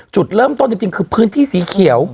จุดเริ่มต้นจริงคือพื้นที่สีเขียว